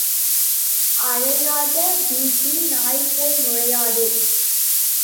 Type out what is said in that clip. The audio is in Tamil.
அழையாத வீட்டில் நாய்போல நுழையாதே.